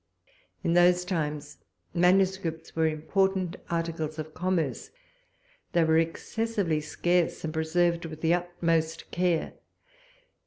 In those times, manuscripts were important articles of commerce; they were excessively scarce, and preserved with the utmost care.